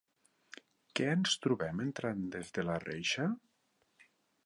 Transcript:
Què ens trobem entrant des de la reixa?